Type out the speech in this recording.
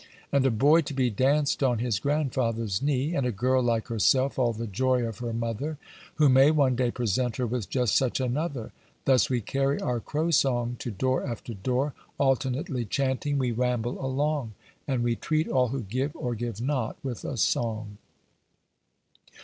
And a boy to be danced on his grandfather's knee, And a girl like herself all the joy of her mother, Who may one day present her with just such another. Thus we carry our Crow song to door after door, Alternately chanting we ramble along, And we treat all who give, or give not, with a song.